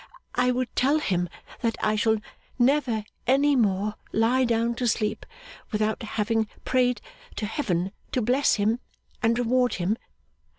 I would tell him that I shall never any more lie down to sleep without having prayed to Heaven to bless him and reward him.